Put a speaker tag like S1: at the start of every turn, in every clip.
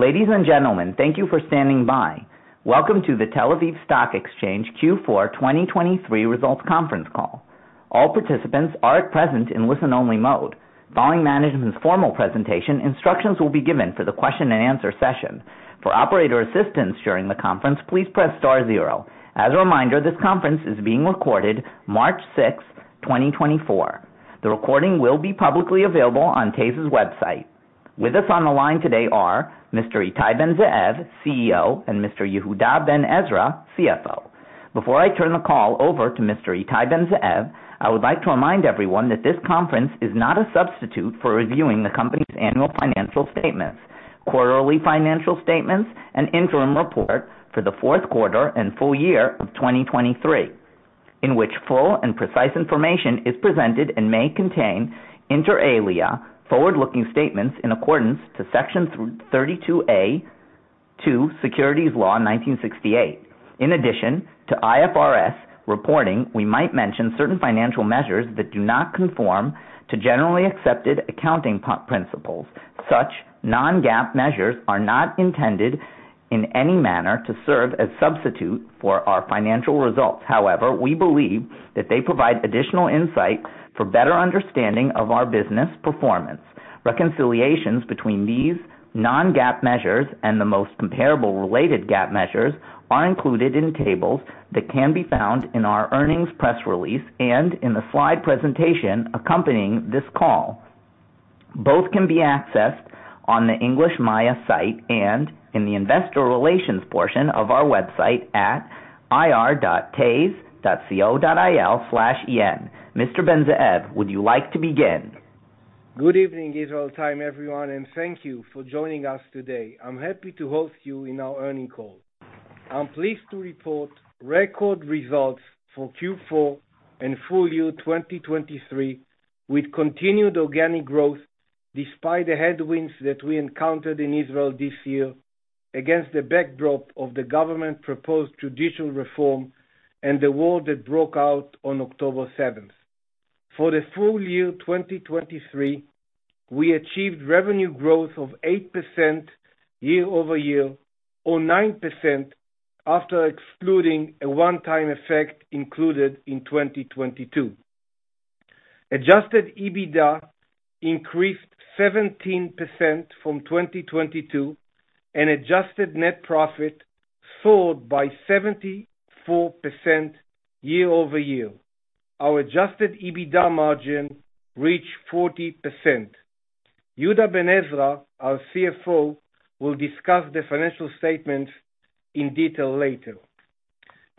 S1: Ladies and gentlemen, thank you for standing by. Welcome to the Tel Aviv Stock Exchange Q4 2023 Results Conference Call. All participants are at present in listen-only mode. Following management's formal presentation, instructions will be given for the question and answer session. For operator assistance during the conference, please press star zero. As a reminder, this conference is being recorded March sixth, twenty twenty-four. The recording will be publicly available on TASE's website. With us on the line today are Mr. Itai Ben-Zeev, CEO, and Mr. Yehuda Ben-Ezra, CFO. Before I turn the call over to Mr. Ittai Ben-Zeev, I would like to remind everyone that this conference is not a substitute for reviewing the company's annual financial statements, quarterly financial statements, and interim report for the fourth quarter and full year of 2023, in which full and precise information is presented and may contain, inter alia, forward-looking statements in accordance to Section 32A, 2, Securities Law 1968. In addition to IFRS reporting, we might mention certain financial measures that do not conform to generally accepted accounting principles. Such non-GAAP measures are not intended in any manner to serve as substitute for our financial results. However, we believe that they provide additional insight for better understanding of our business performance. Reconciliations between these non-GAAP measures and the most comparable related GAAP measures are included in tables that can be found in our earnings press release and in the slide presentation accompanying this call. Both can be accessed on the English MAYA site and in the investor relations portion of our website at ir.tase.co.il/en. Mr. Ben-Zeev, would you like to begin?
S2: Good evening, Israel Time, everyone, and thank you for joining us today. I'm happy to host you in our earnings call. I'm pleased to report record results for Q4 and full year 2023, with continued organic growth despite the headwinds that we encountered in Israel this year, against the backdrop of the government-proposed judicial reform and the war that broke out on October seventh. For the full year 2023, we achieved revenue growth of 8% year-over-year, or 9% after excluding a one-time effect included in 2022. Adjusted EBITDA increased 17% from 2022, and adjusted net profit soared by 74% year-over-year. Our adjusted EBITDA margin reached 40%. Yehuda Ben-Ezra, our CFO, will discuss the financial statements in detail later.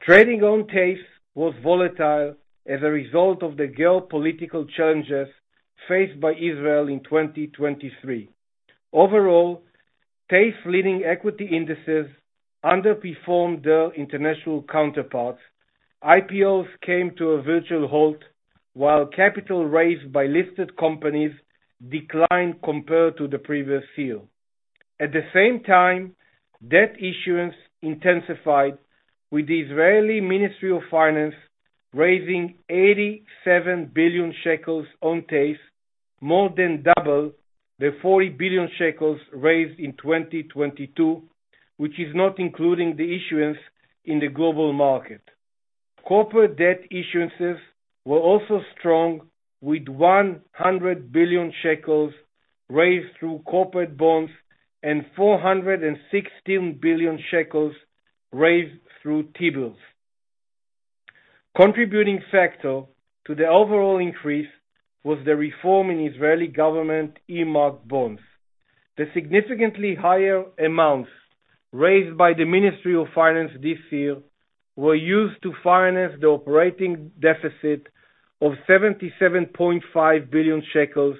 S2: Trading on TASE was volatile as a result of the geopolitical challenges faced by Israel in 2023. Overall, TASE leading equity indices underperformed their international counterparts. IPOs came to a virtual halt, while capital raised by listed companies declined compared to the previous year. At the same time, debt issuance intensified, with the Israeli Ministry of Finance raising 87 billion shekels on TASE, more than double the 40 billion shekels raised in 2022, which is not including the issuance in the global market. Corporate debt issuances were also strong, with 100 billion shekels raised through corporate bonds and 416 billion shekels raised through T-Bills. Contributing factor to the overall increase was the reform in Israeli government earmarked bonds. The significantly higher amounts raised by the Ministry of Finance this year were used to finance the operating deficit of 77.5 billion shekels,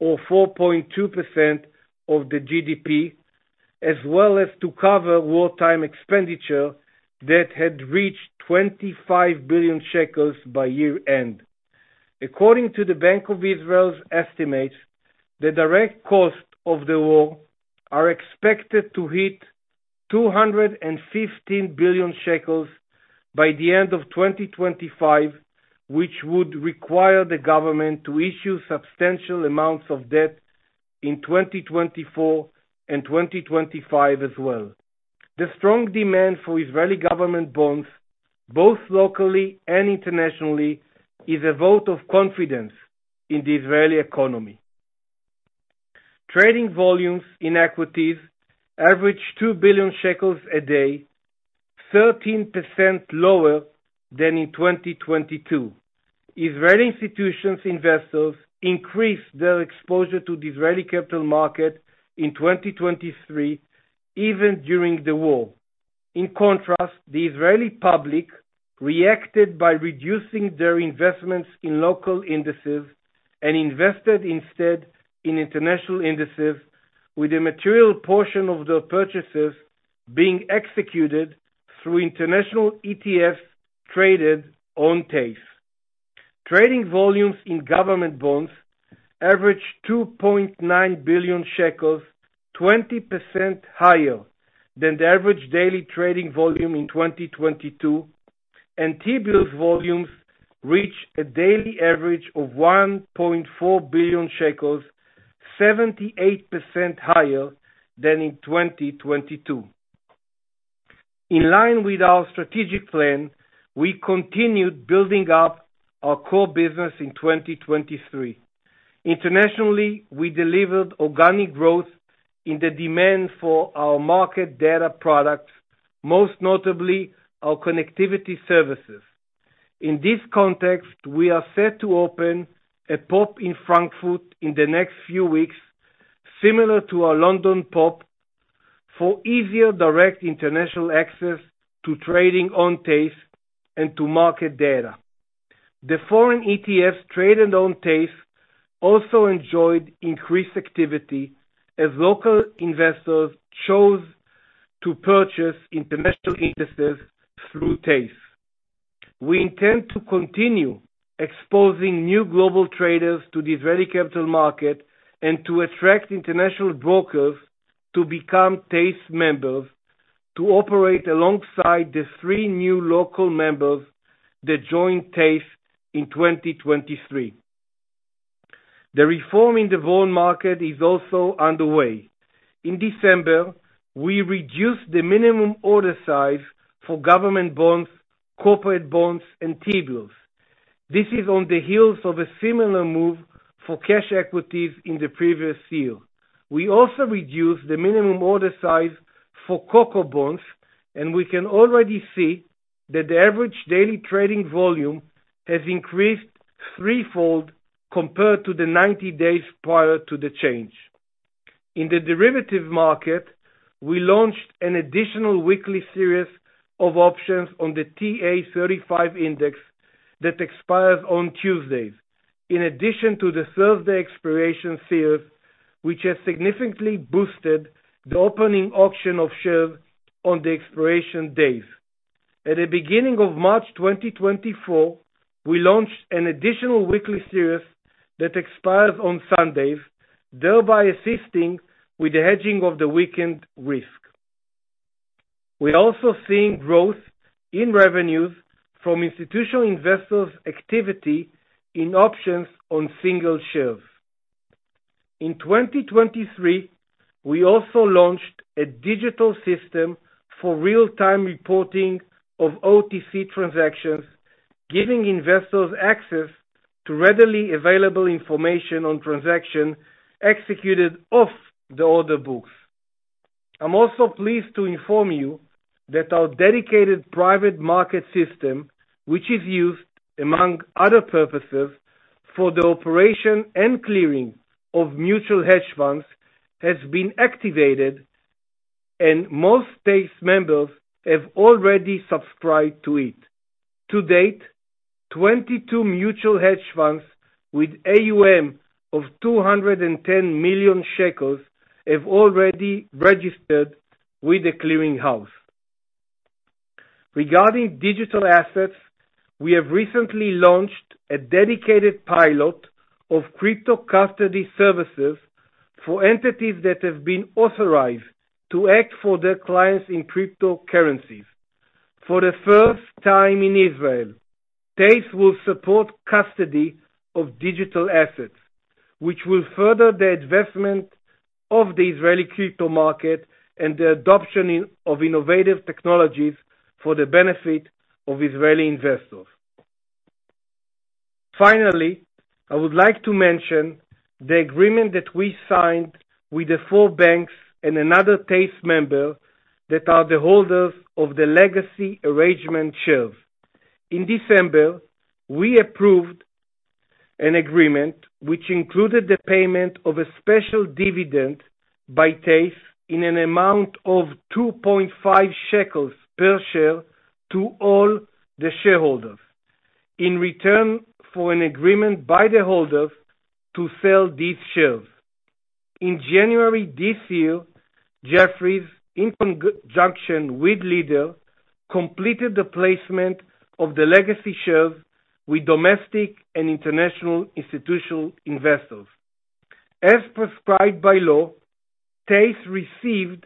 S2: or 4.2% of the GDP, as well as to cover wartime expenditure that had reached 25 billion shekels by year-end. According to the Bank of Israel's estimates, the direct cost of the war are expected to hit 215 billion shekels by the end of 2025, which would require the government to issue substantial amounts of debt in 2024 and 2025 as well. The strong demand for Israeli government bonds, both locally and internationally, is a vote of confidence in the Israeli economy. Trading volumes in equities averaged 2 billion shekels a day, 13% lower than in 2022. Israeli institutional investors increased their exposure to the Israeli capital market in 2023, even during the war. In contrast, the Israeli public reacted by reducing their investments in local indices and invested instead in international indices, with a material portion of their purchases being executed through international ETFs traded on TASE. Trading volumes in government bonds averaged 2.9 billion shekels, 20% higher than the average daily trading volume in 2022, and T-Bills volumes reached a daily average of 1.4 billion shekels, 78% higher than in 2022. In line with our strategic plan, we continued building up our core business in 2023. Internationally, we delivered organic growth in the demand for our market data products, most notably our connectivity services. In this context, we are set to open a POP in Frankfurt in the next few weeks, similar to our London POP, for easier direct international access to trading on TASE and to market data. The foreign ETFs traded on TASE also enjoyed increased activity as local investors chose to purchase international indices through TASE. We intend to continue exposing new global traders to the Israeli capital market, and to attract international brokers to become TASE members, to operate alongside the three new local members that joined TASE in 2023. The reform in the bond market is also underway. In December, we reduced the minimum order size for government bonds, corporate bonds, and T-Bills. This is on the heels of a similar move for cash equities in the previous year. We also reduced the minimum order size for CoCo Bonds, and we can already see that the average daily trading volume has increased threefold compared to the 90 days prior to the change. In the derivative market, we launched an additional weekly series of options on the TA-35 Index that expires on Tuesdays, in addition to the Thursday expiration series, which has significantly boosted the opening auction of shares on the expiration days. At the beginning of March 2024, we launched an additional weekly series that expires on Sundays, thereby assisting with the hedging of the weekend risk. We are also seeing growth in revenues from institutional investors' activity in options on single shares. In 2023, we also launched a digital system for real-time reporting of OTC transactions, giving investors access to readily available information on transactions executed off the order books. I'm also pleased to inform you that our dedicated private market system, which is used, among other purposes, for the operation and clearing of mutual hedge funds, has been activated, and most TASE members have already subscribed to it. To date, 22 mutual hedge funds with AUM of 210 million shekels have already registered with the clearing house. Regarding digital assets, we have recently launched a dedicated pilot of crypto custody services for entities that have been authorized to act for their clients in cryptocurrencies. For the first time in Israel, TASE will support custody of digital assets, which will further the investment of the Israeli crypto market and the adoption in, of innovative technologies for the benefit of Israeli investors. Finally, I would like to mention the agreement that we signed with the four banks and another TASE member that are the holders of the legacy arrangement shares. In December, we approved an agreement which included the payment of a special dividend by TASE in an amount of 2.5 shekels per share to all the shareholders, in return for an agreement by the holders to sell these shares. In January this year, Jefferies, in conjunction with Leader, completed the placement of the legacy shares with domestic and international institutional investors. As prescribed by law, TASE received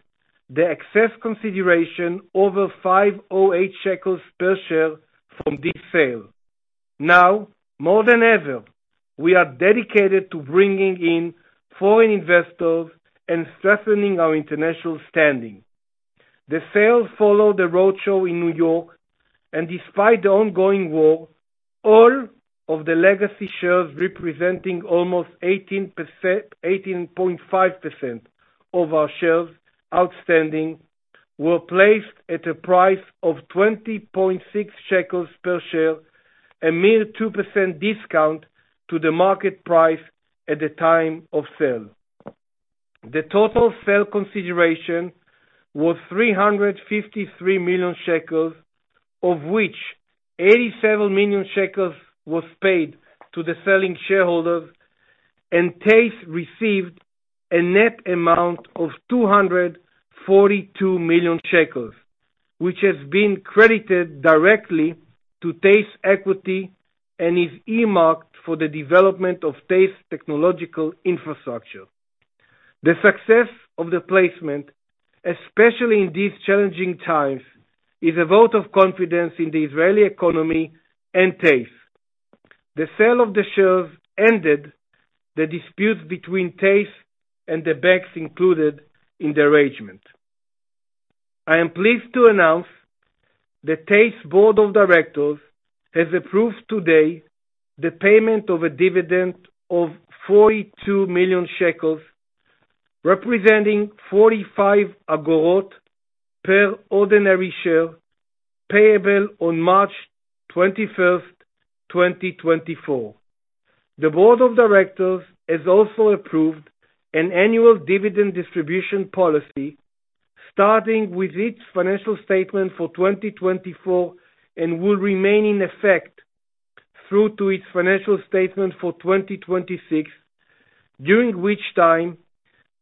S2: the excess consideration over 508 shekels per share from this sale. Now, more than ever, we are dedicated to bringing in foreign investors and strengthening our international standing. The sale followed a roadshow in New York, and despite the ongoing war, all of the legacy shares, representing almost 18%, 18.5% of our shares outstanding, were placed at a price of 20.6 shekels per share, a mere 2% discount to the market price at the time of sale. The total sale consideration was 353 million shekels, of which 87 million shekels was paid to the selling shareholders, and TASE received a net amount of 242 million shekels, which has been credited directly to TASE equity and is earmarked for the development of TASE technological infrastructure. The success of the placement, especially in these challenging times, is a vote of confidence in the Israeli economy and TASE. The sale of the shares ended the disputes between TASE and the banks included in the arrangement. I am pleased to announce that TASE's Board of Directors has approved today the payment of a dividend of 42 million shekels, representing 0.45 per ordinary share, payable on March 21, 2024. The board of directors has also approved an annual dividend distribution policy, starting with its financial statement for 2024, and will remain in effect through to its financial statement for 2026, during which time,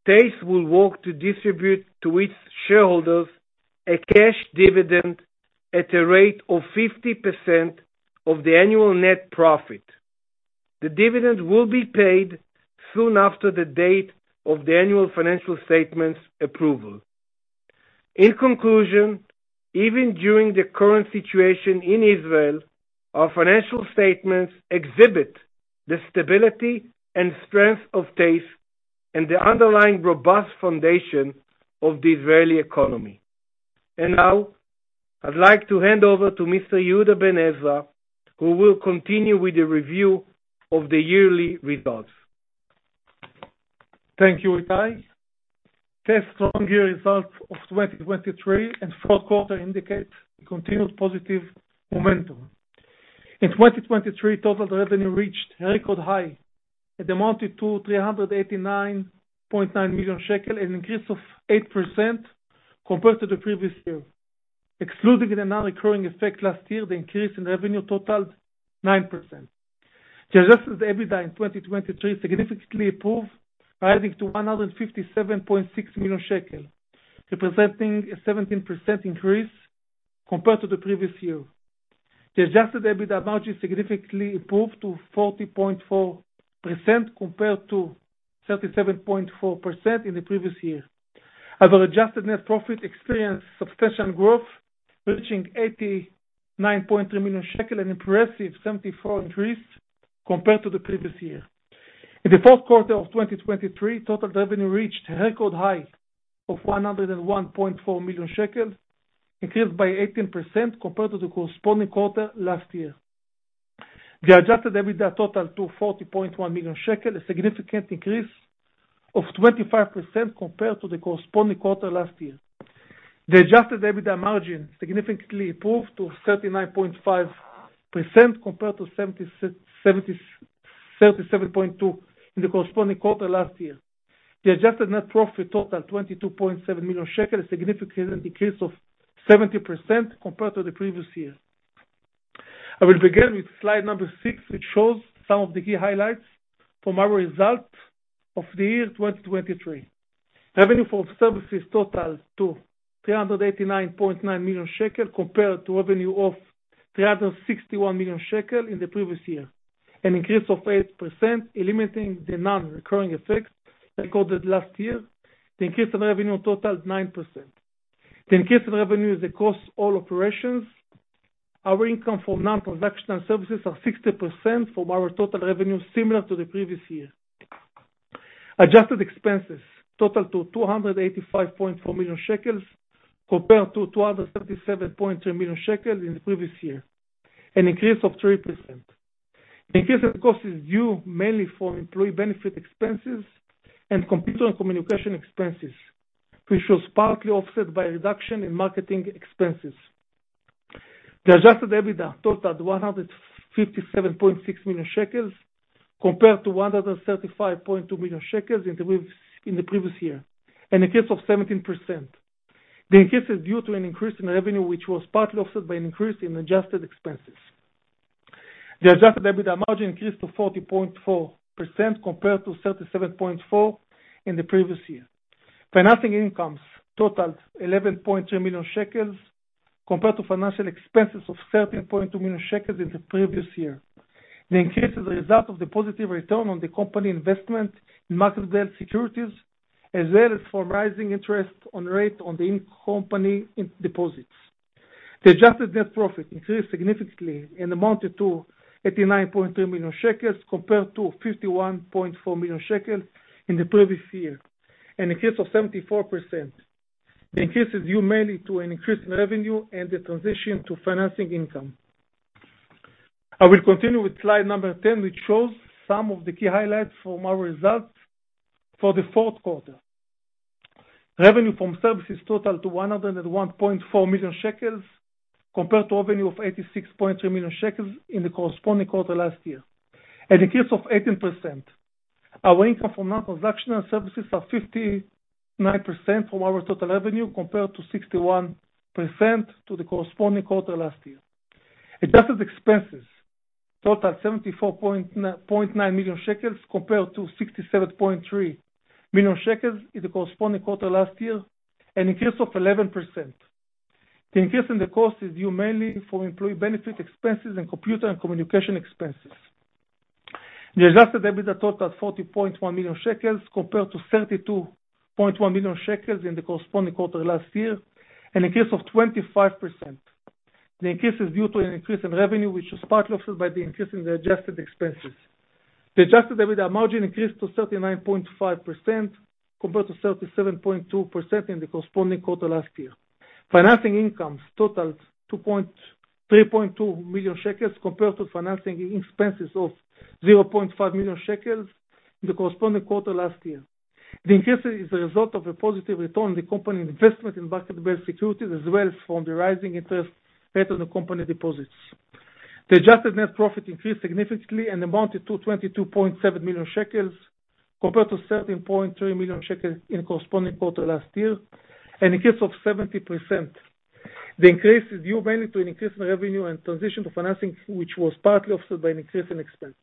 S2: TASE will work to distribute to its shareholders a cash dividend at a rate of 50% of the annual net profit. The dividend will be paid soon after the date of the annual financial statement's approval. In conclusion, even during the current situation in Israel, our financial statements exhibit the stability and strength of TASE and the underlying robust foundation of the Israeli economy. And now, I'd like to hand over to Mr. Yehuda Ben Ezra, who will continue with the review of the yearly results.
S3: Thank you, Itai. TASE's strong year results of 2023 and fourth quarter indicate continued positive momentum. In 2023, total revenue reached a record high, it amounted to 389.9 million shekel, an increase of 8% compared to the previous year. Excluding the non-recurring effect last year, the increase in revenue totaled 9%. The adjusted EBITDA in 2023 significantly improved, rising to 157.6 million shekel, representing a 17% increase compared to the previous year. The adjusted EBITDA margin significantly improved to 40.4%, compared to 37.4% in the previous year. Our adjusted net profit experienced substantial growth, reaching 89.3 million shekel, an impressive 74% increase compared to the previous year. In the fourth quarter of 2023, total revenue reached a record high of 101.4 million shekels, increased by 18% compared to the corresponding quarter last year. The adjusted EBITDA totaled to 40.1 million shekel, a significant increase of 25% compared to the corresponding quarter last year. The adjusted EBITDA margin significantly improved to 39.5%, compared to 37.2% in the corresponding quarter last year. The adjusted net profit totaled 22.7 million shekels, a significant increase of 70% compared to the previous year. I will begin with slide number 6, which shows some of the key highlights from our results of the year 2023. Revenue from services totaled to 389.9 million shekel, compared to revenue of 361 million shekel in the previous year, an increase of 8%. Eliminating the non-recurring effects recorded last year, the increase in revenue totaled 9%. The increase in revenue is across all operations. Our income from non-production and services are 60% from our total revenue, similar to the previous year. Adjusted expenses totaled to 285.4 million shekels, compared to 237.2 million shekel in the previous year, an increase of 3%. Increase in costs is due mainly for employee benefit expenses and computer and communication expenses, which was partly offset by a reduction in marketing expenses. The adjusted EBITDA totaled 157.6 million shekels, compared to 135.2 million shekels in the previous year, an increase of 17%. The increase is due to an increase in revenue, which was partly offset by an increase in adjusted expenses. The adjusted EBITDA margin increased to 40.4%, compared to 37.4% in the previous year. Financing incomes totaled 11.2 million shekels, compared to financial expenses of 13.2 million shekels in the previous year. The increase is a result of the positive return on the company investment in marketable securities, as well as rising interest rate on the in-company deposits. The adjusted net profit increased significantly and amounted to ILS 89.3 million, compared to 51.4 million shekels in the previous year, an increase of 74%. The increase is due mainly to an increase in revenue and the transition to financing income. I will continue with slide number 10, which shows some of the key highlights from our results for the fourth quarter. Revenue from services totaled to 101.4 million shekels, compared to revenue of 86.3 million shekels in the corresponding quarter last year, an increase of 18%. Our income from non-transactional services are 59% from our total revenue, compared to 61% to the corresponding quarter last year. Adjusted expenses totaled 74.9 million shekels, compared to 67.3 million shekels in the corresponding quarter last year, an increase of 11%. The increase in the cost is due mainly for employee benefit expenses and computer and communication expenses. The Adjusted EBITDA totaled 40.1 million shekels, compared to 32.1 million shekels in the corresponding quarter last year, an increase of 25%. The increase is due to an increase in revenue, which was partly offset by the increase in the adjusted expenses. The Adjusted EBITDA margin increased to 39.5%, compared to 37.2% in the corresponding quarter last year. Financing incomes totaled 3.2 million shekels, compared to financing expenses of 0.5 million shekels in the corresponding quarter last year. The increase is a result of a positive return on the company investment in market-based securities, as well as from the rising interest paid on the company deposits. The adjusted net profit increased significantly and amounted to 22.7 million shekels, compared to 13.3 million shekels in corresponding quarter last year, an increase of 70%. The increase is due mainly to an increase in revenue and transition to financing, which was partly offset by an increase in expense.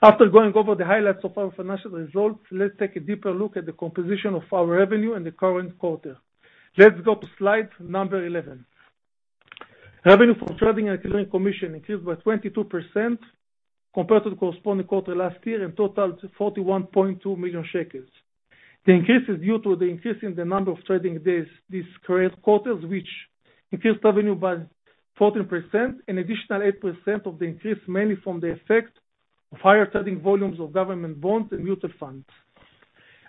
S3: After going over the highlights of our financial results, let's take a deeper look at the composition of our revenue in the current quarter. Let's go to slide number 11. Revenue from trading and clearing commission increased by 22% compared to the corresponding quarter last year, and totaled to 41.2 million shekels. The increase is due to the increase in the number of trading days this current quarter, which increased revenue by 14%. An additional 8% of the increase, mainly from the effect of higher trading volumes of government bonds and mutual funds.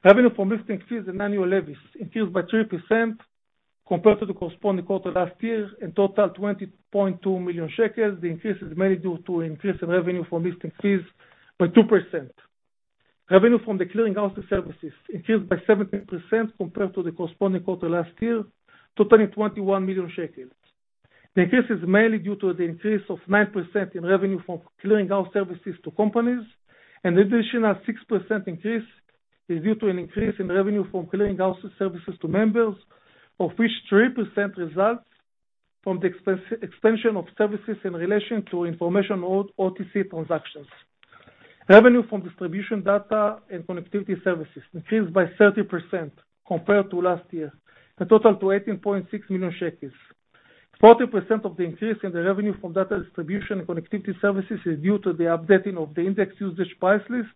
S3: Revenue from listing fees and annual levies increased by 3% compared to the corresponding quarter last year, and totaled 20.2 million shekels. The increase is mainly due to an increase in revenue from listing fees by 2%. Revenue from the clearinghouse services increased by 17% compared to the corresponding quarter last year, totaling 21 million shekels. The increase is mainly due to the increase of 9% in revenue from clearinghouse services to companies, and additional 6% increase is due to an increase in revenue from clearinghouse services to members, of which 3% results from the expansion of services in relation to information or OTC transactions. Revenue from distribution, data, and connectivity services increased by 30% compared to last year, and totaled to 18.6 million shekels. 40% of the increase in the revenue from data distribution and connectivity services is due to the updating of the index usage price list,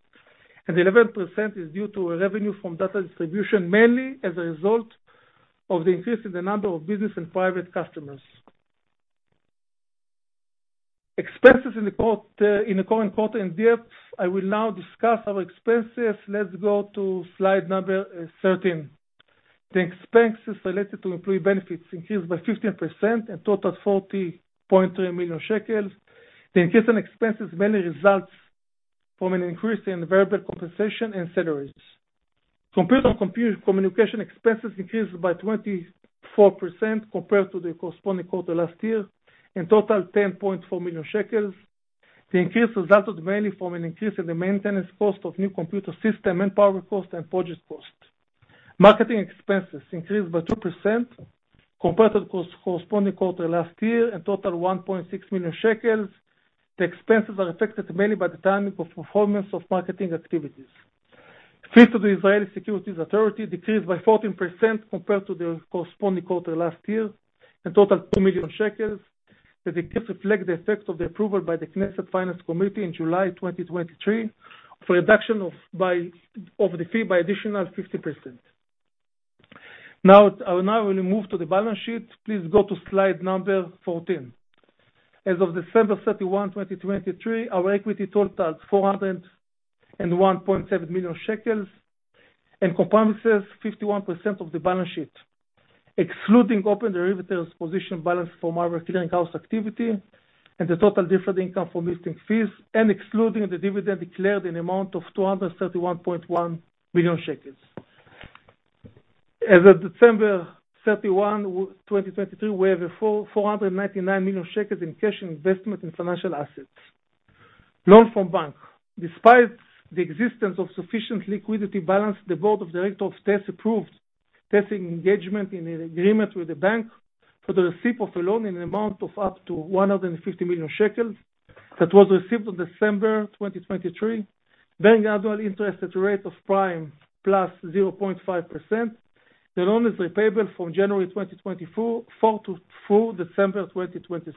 S3: and 11% is due to a revenue from data distribution, mainly as a result of the increase in the number of business and private customers. Expenses in the quarter, in the current quarter in depth, I will now discuss our expenses. Let's go to slide number 13. The expenses related to employee benefits increased by 15%, and totaled 40.3 million shekels. The increase in expenses mainly results from an increase in variable compensation and salaries. Computer and communication expenses increased by 24% compared to the corresponding quarter last year, in total, 10.4 million shekels. The increase resulted mainly from an increase in the maintenance cost of new computer system and power cost and project cost. Marketing expenses increased by 2% compared to the corresponding quarter last year, and totaled 1.6 million shekels. The expenses are affected mainly by the timing of performance of marketing activities. Fees to the Israel Securities Authority decreased by 14% compared to the corresponding quarter last year, and totaled 2 million shekels, as it does reflect the effect of the approval by the Knesset Finance Committee in July 2023 for a reduction of by over the fee by additional 50%. Now, I will move to the balance sheet. Please go to slide number 14. As of December 31, 2023, our equity totals 401.7 million shekels, and comprises 51% of the balance sheet, excluding open derivatives position balance from our clearinghouse activity and the total deferred income from listing fees, and excluding the dividend declared in the amount of 231.1 million shekels. As of December 31, 2023, we have four hundred and ninety-nine million shekels in cash and investment in financial assets. Loan from bank. Despite the existence of sufficient liquidity balance, the board of directors of TASE approved TASE engagement in an agreement with the bank for the receipt of a loan in an amount of up to 150 million shekels that was received on December 2023, bearing annual interest at a rate of Prime plus 0.5%. The loan is repayable from January 2024 to 4 December 2026.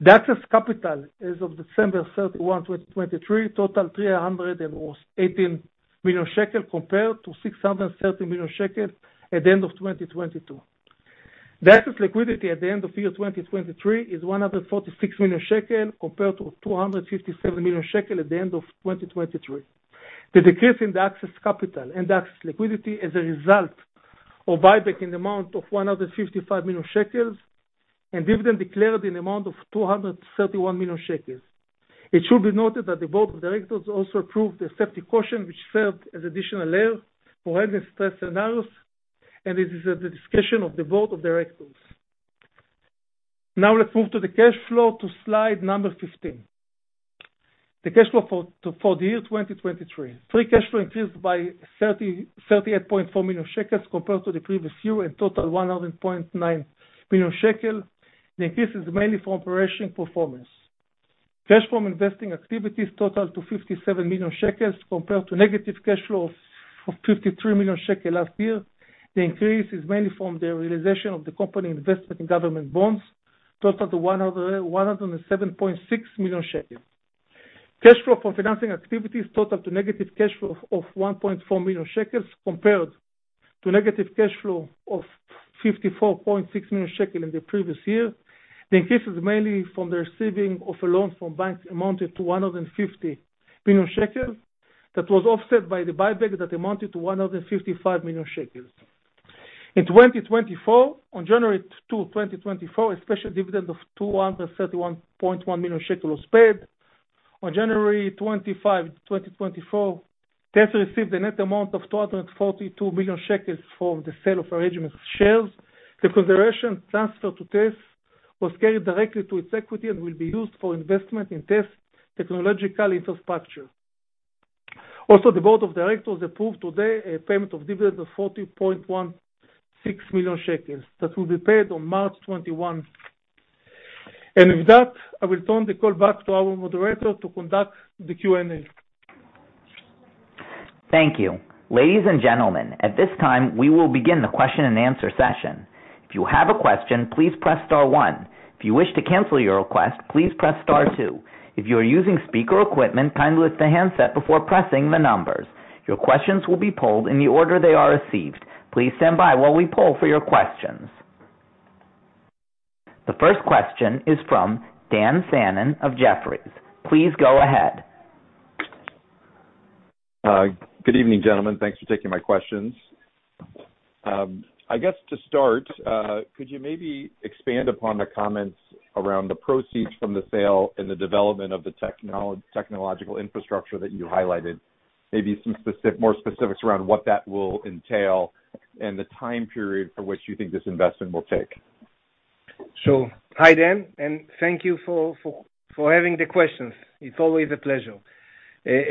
S3: The excess capital as of December 31, 2023, total 318 million shekel, compared to 630 million shekel at the end of 2022. The excess liquidity at the end of year 2023 is 146 million shekel, compared to 257 million shekel at the end of 2023. The decrease in the excess capital and excess liquidity is a result of buyback in the amount of 155 million shekels, and dividend declared in the amount of 231 million shekels. It should be noted that the board of directors also approved the safety cushion, which served as additional layer for any stress scenarios, and this is at the discretion of the board of directors. Now, let's move to the cash flow, to slide number 15. The cash flow for the year 2023. Free cash flow increased by 38.4 million shekels compared to the previous year, and total 100.9 million shekels. The increase is mainly from operation performance. Cash from investing activities totaled to 57 million shekels compared to negative cash flow of 53 million shekels last year. The increase is mainly from the realization of the company investment in government bonds, totaled to 107.6 million shekels. Cash flow for financing activities totaled to negative cash flow of 1.4 million shekels, compared to negative cash flow of 54.6 million shekels in the previous year. The increase is mainly from the receiving of a loan from banks amounted to 150 million shekels, that was offset by the buyback that amounted to 155 million shekels. In 2024, on January 2, 2024, a special dividend of 231.1 million shekels was paid. On January 25, 2024, TASE received a net amount of 242 million shekels for the sale of our legacy arrangement shares. The consideration transfer to TASE was carried directly to its equity and will be used for investment in TASE's technological infrastructure. Also, the board of directors approved today a payment of dividend of 40.16 million shekels, that will be paid on March 21. With that, I return the call back to our moderator to conduct the Q&A.
S1: Thank you. Ladies and gentlemen, at this time, we will begin the question-and-answer session. If you have a question, please press star one. If you wish to cancel your request, please press star two. If you are using speaker equipment, silence the handset before pressing the numbers. Your questions will be polled in the order they are received. Please stand by while we poll for your questions. The first question is from Dan Fannon of Jefferies. Please go ahead.
S4: Good evening, gentlemen. Thanks for taking my questions. I guess to start, could you maybe expand upon the comments around the proceeds from the sale and the development of the technological infrastructure that you highlighted? Maybe some more specifics around what that will entail and the time period for which you think this investment will take.
S2: So, hi, Dan, and thank you for, for, for having the questions. It's always a pleasure.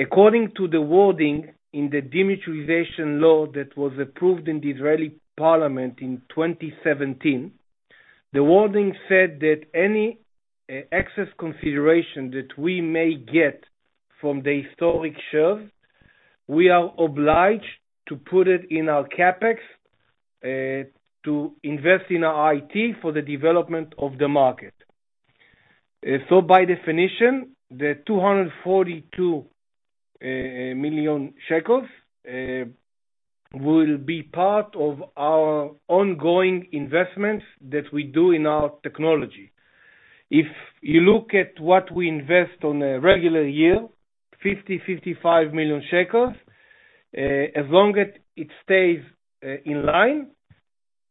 S2: According to the wording in the demutualization law that was approved in the Israeli parliament in 2017, the wording said that any, excess consideration that we may get from the historic shares, we are obliged to put it in our CapEx, to invest in our IT for the development of the market. So by definition, the 242 million shekels, will be part of our ongoing investments that we do in our technology. If you look at what we invest on a regular year, 50 million-55 million shekels, as long as it stays in line,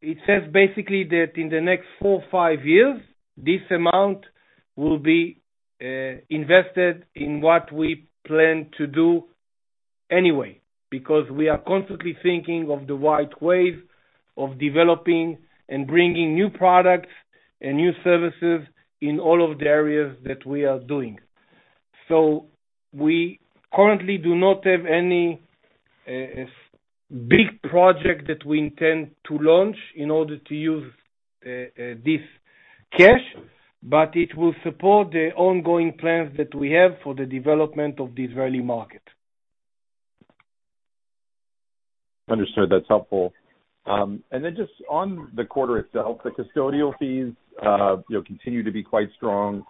S2: it says basically that in the next 4-5 years, this amount will be invested in what we plan to do anyway, because we are constantly thinking of the right way of developing and bringing new products and new services in all of the areas that we are doing. So we currently do not have any big project that we intend to launch in order to use this cash, but it will support the ongoing plans that we have for the development of the Israeli market.
S4: Understood. That's helpful. And then just on the quarter itself, the custodial fees, you know, continue to be quite strong.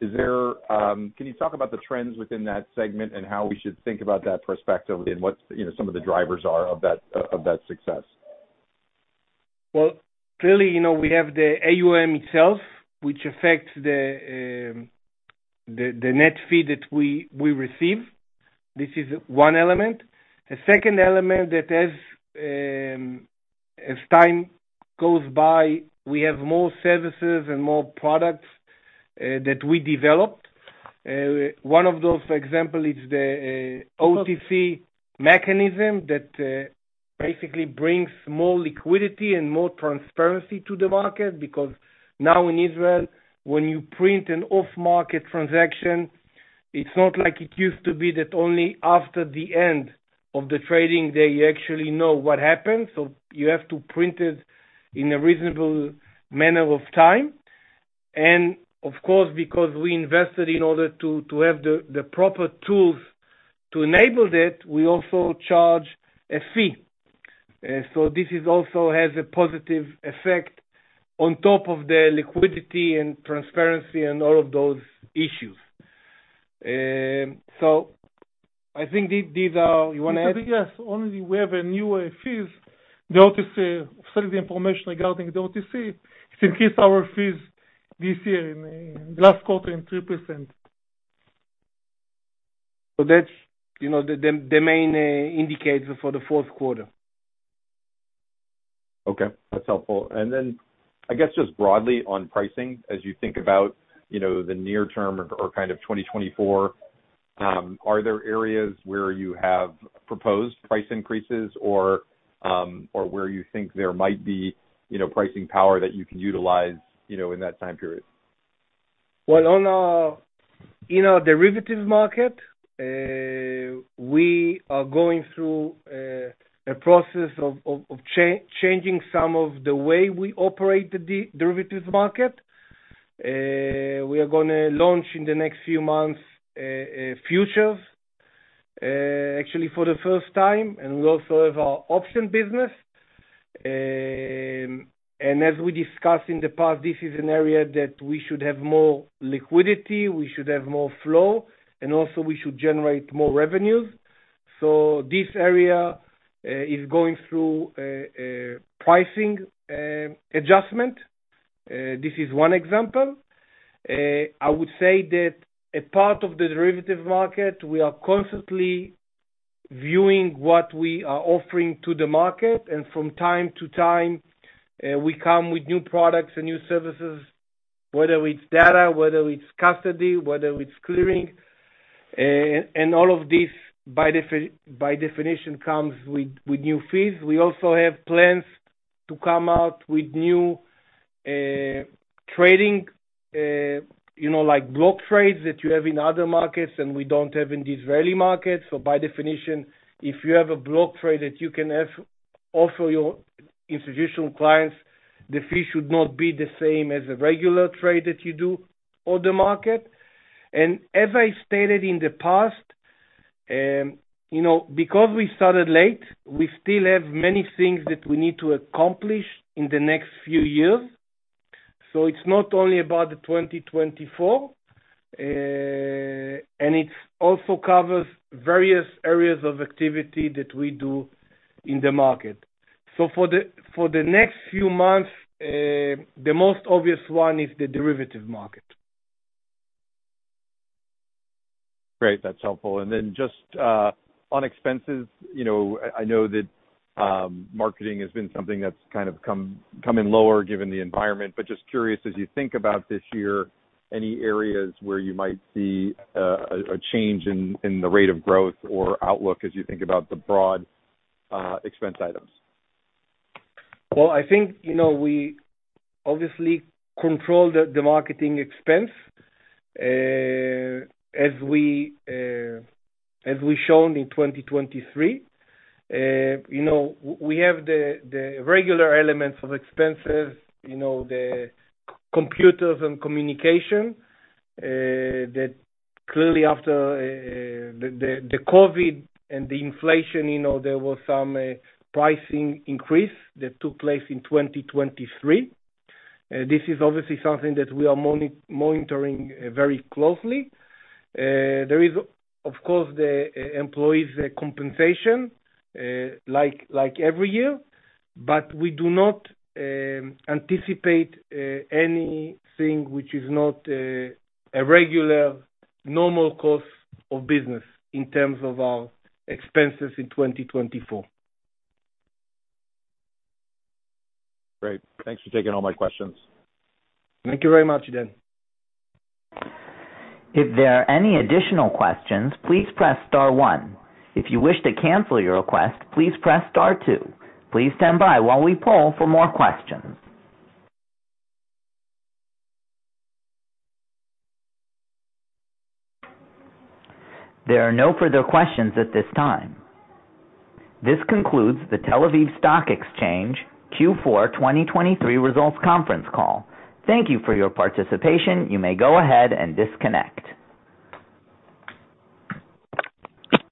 S4: Is there. Can you talk about the trends within that segment and how we should think about that perspective, and what's, you know, some of the drivers are of that, of that success? Well, clearly, you know, we have the AUM itself, which affects the net fee that we receive. This is one element. The second element that as time goes by, we have more services and more products that we developed. One of those, for example, is the OTC mechanism that basically brings more liquidity and more transparency to the market, because now in Israel, when you print an off-market transaction, it's not like it used to be that only after the end of the trading day you actually know what happened. So you have to print it in a reasonable manner of time. And of course, because we invested in order to have the proper tools to enable that, we also charge a fee. So this is also has a positive effect on top of the liquidity and transparency and all of those issues. So I think these are. You wanna add?
S3: Yes. Only we have a new fees, the OTC sell the information regarding the OTC. It increase our fees this year in last quarter in 3%.
S2: That's, you know, the main indicator for the fourth quarter.
S4: Okay, that's helpful. And then I guess just broadly on pricing, as you think about, you know, the near term or, or kind of 2024, are there areas where you have proposed price increases or, or where you think there might be, you know, pricing power that you can utilize, you know, in that time period?
S2: Well, on our, in our derivatives market. We are going through a process of changing some of the way we operate the derivatives market. We are gonna launch in the next few months futures, actually for the first time, and we also have our option business. And as we discussed in the past, this is an area that we should have more liquidity, we should have more flow, and also we should generate more revenues. So this area is going through a pricing adjustment. This is one example. I would say that a part of the derivative market, we are constantly viewing what we are offering to the market, and from time to time, we come with new products and new services, whether it's data, whether it's custody, whether it's clearing. And all of this, by definition, comes with new fees. We also have plans to come out with new trading, you know, like block trades that you have in other markets, and we don't have in the Israeli market. So by definition, if you have a block trade that you can have also your institutional clients, the fee should not be the same as a regular trade that you do on the market. And as I stated in the past, you know, because we started late, we still have many things that we need to accomplish in the next few years. So it's not only about the 2024, and it also covers various areas of activity that we do in the market. So for the next few months, the most obvious one is the derivative market.
S4: Great, that's helpful. And then just on expenses, you know, I know that marketing has been something that's kind of coming lower given the environment, but just curious, as you think about this year, any areas where you might see a change in the rate of growth or outlook as you think about the broad expense items?
S2: Well, I think, you know, we obviously control the marketing expense, as we've shown in 2023. You know, we have the regular elements of expenses, you know, the computers and communication, that clearly after the COVID and the inflation, you know, there was some pricing increase that took place in 2023. This is obviously something that we are monitoring very closely. There is, of course, the employees' compensation, like every year, but we do not anticipate anything which is not a regular, normal course of business in terms of our expenses in 2024.
S4: Great. Thanks for taking all my questions.
S2: Thank you very much, Dan.
S1: If there are any additional questions, please press star one. If you wish to cancel your request, please press star two. Please stand by while we poll for more questions. There are no further questions at this time. This concludes the Tel Aviv Stock Exchange Q4 2023 results conference call. Thank you for your participation. You may go ahead and disconnect.